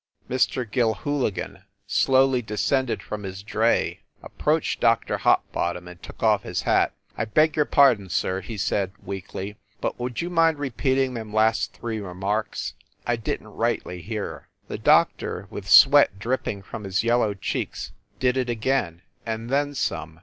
Mr. Gilhooligan slowly descended from his dray, approached Dr. Hopbottom, and took off his hat. "I beg your pardon, sir," he said, weakly, "but would you mind repeating them last three remarks ? I didn t rightly hear." The doctor, with sweat dripping from his yellow cheeks, did it again, and then some.